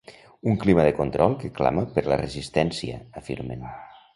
Un clima de control que clama per la resistència, afirmen.